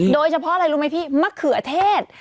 โดยเฉพาะอะไรรู้ไหมพี่มะเขือเทศ